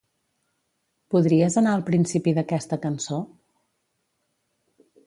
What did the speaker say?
Podries anar al principi d'aquesta cançó?